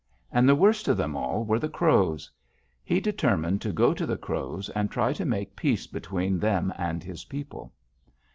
And the worst of them all were the Crows. He determined to go to the Crows and try to make peace between them and his people.